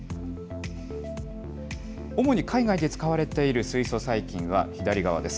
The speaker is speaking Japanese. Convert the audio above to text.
主に海外で使われている水素細菌は、左側です。